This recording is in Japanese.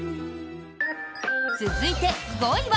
続いて、５位は。